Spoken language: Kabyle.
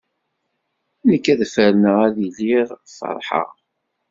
Nekk ad ferneɣ ad iliɣ feṛḥeɣ.